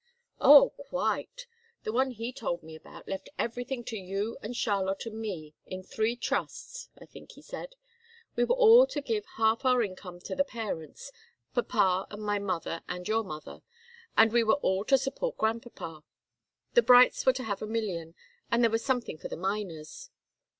"Oh quite! The one he told me about left everything to you and Charlotte and me in three trusts, I think he said. We were all to give half our income to the parents papa and my mother and your mother and we were all to support grandpapa. The Brights were to have a million, and there was something for the Miners."